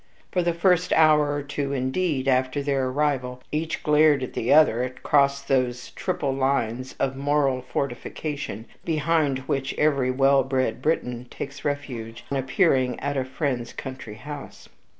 For the first hour or two, indeed, after their arrival, each glared at the other across those triple lines of moral fortification behind which every well bred Briton takes refuge on appearing at a friend's country house.